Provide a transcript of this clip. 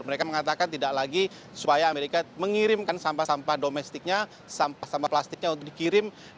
mereka mengatakan tidak lagi supaya amerika mengirimkan sampah sampah domestiknya sampah sampah plastiknya untuk dikirim